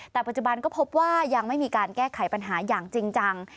แต่ปัจจุบันก็พบว่ายังไม่มีการแก้ไขปัญหาอย่างจริงจัง